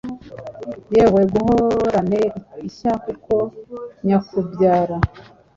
Yewe, gahorane ishya koko nyakubyara